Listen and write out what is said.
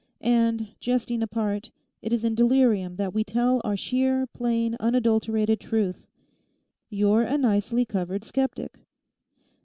And, jesting apart, it is in delirium that we tell our sheer, plain, unadulterated truth: you're a nicely covered sceptic.